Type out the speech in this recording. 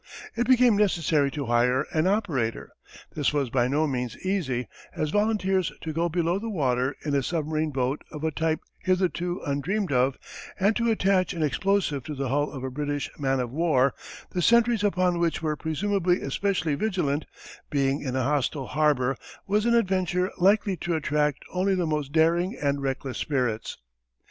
It became necessary to hire an operator. This was by no means easy as volunteers to go below the water in a submarine boat of a type hitherto undreamed of, and to attach an explosive to the hull of a British man of war, the sentries upon which were presumably especially vigilant, being in a hostile harbour, was an adventure likely to attract only the most daring and reckless spirits.